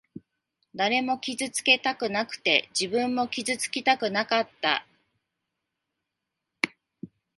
誰も傷つけたくなくて、自分も傷つきたくなかった。